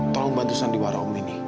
tolong bantu sandiwara om ini